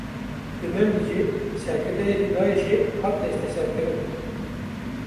Li Menbicê serkirdeyekî Daişê hat desteserkirin.